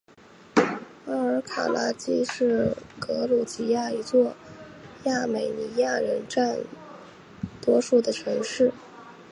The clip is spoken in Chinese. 阿哈尔卡拉基是格鲁吉亚一座亚美尼亚人占多数的城市。